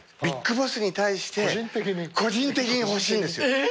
ビッグボスに対して個人的に欲しいんですよ。